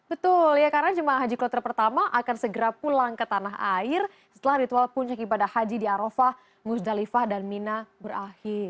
betul ya karena jemaah haji kloter pertama akan segera pulang ke tanah air setelah ritual puncak ibadah haji di arafah muzdalifah dan mina berakhir